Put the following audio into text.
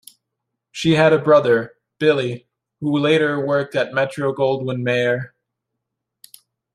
She had a brother, Billy, who later worked at Metro-Goldwyn-Mayer.